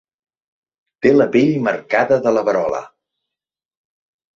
Té la pell marcada de la verola.